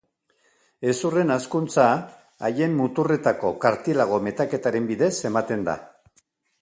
Hezurren hazkuntza haien muturretako kartilago metaketaren bidez ematen da.